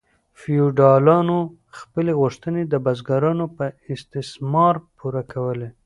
فیوډالانو خپلې غوښتنې د بزګرانو په استثمار پوره کولې.